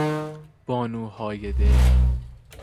بانو هایده